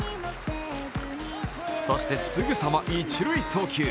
そしてすぐさま一塁送球。